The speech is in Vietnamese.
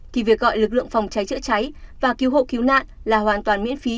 thì việc gọi lực lượng phòng cháy chữa cháy và cứu hộ cứu nạn là hoàn toàn miễn phí